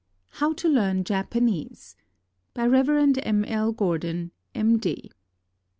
HOW TO LEARN JAPANESE BY REV. M. L. GORDON, M.D.